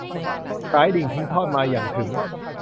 สายดิ่งทิ้งทอดมา หยั่งถึง